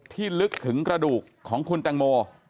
ลึกถึงกระดูกของคุณแตงโม